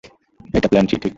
এটা plan C, ঠিক?